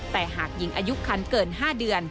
แต่หากหญิงอายุคันเกิน๕เดือน